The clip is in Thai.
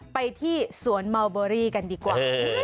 ไปที่สวนเมาเบอรี่กันดีกว่า